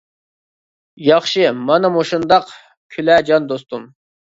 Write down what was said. ياخشى، مانا مۇشۇنداق كۈلە جان دوستۇم!